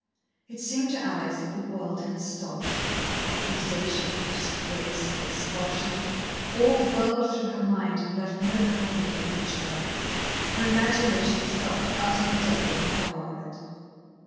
It seemed to Alex that the world had stopped. Accusation, disgrace, expulsion, all whirled through her mind and left no permanent image there. Her imagination stopped utterly dead at the horror of it.